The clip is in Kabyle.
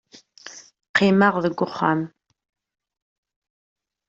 qqimeɣ deg uxxam